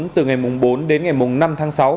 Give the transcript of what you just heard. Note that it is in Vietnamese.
từ ngày bốn đến ngày năm tháng sáu